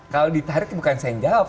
kalau ditarik bukan saya yang jawab